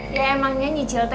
ya emangnya nyicil teh